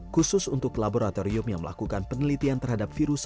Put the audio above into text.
khusus untuk laboratorium yang melakukan penelitian terhadap virus